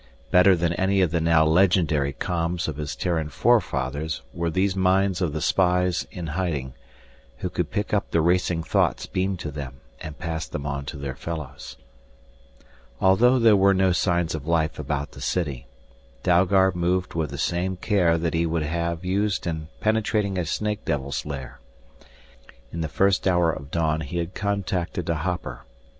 Better than any of the now legendary coms of his Terran forefathers were these minds of the spies in hiding, who could pick up the racing thoughts beamed to them and pass them on to their fellows. Although there were no signs of life about the city, Dalgard moved with the same care that he would have used in penetrating a snake devil's lair. In the first hour of dawn he had contacted a hopper.